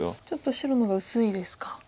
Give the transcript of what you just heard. ちょっと白の方が薄いですか。